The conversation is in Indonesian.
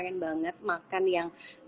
pengen banget makan yang